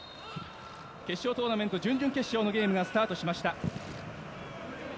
決勝トーナメント準々決勝のゲームがスタートしました。